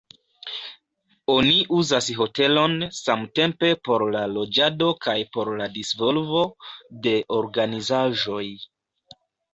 Oni uzas hotelon samtempe por la loĝado kaj por la disvolvo de organizaĵoj.